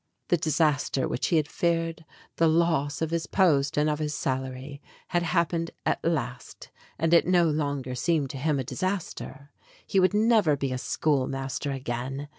The disaster which he had feared the loss of his post and of his salary had happened at last, and it no longer seemed to him a disaster. He would never be a schoolmaster again.